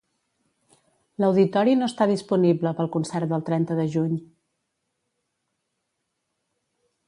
L'auditori no està disponible pel concert del trenta de juny.